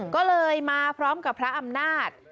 ก็เลยมาพร้อมกับพระอำนาจ